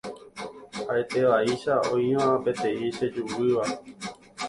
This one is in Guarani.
ha'etévaicha oĩva peteĩ chejuvýva